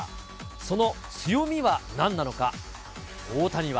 その強みはなんなのか、大谷は。